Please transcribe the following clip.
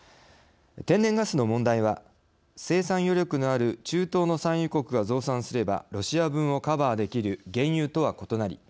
天然ガスの問題は生産余力のある中東の産油国が増産すればロシア分をカバーできる原油とは異なり